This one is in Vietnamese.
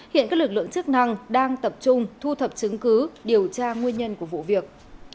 hiện các lực lượng chức năng đang tập trung thu thập chứng cứ điều tra nguyên nhân của vụ việc